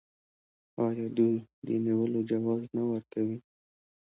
آیا دوی د نیولو جواز نه ورکوي؟